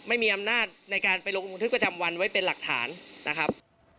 ไม่มีอำนาจในการไปลงบันทึกประจำวันไว้เป็นหลักฐานนะครับ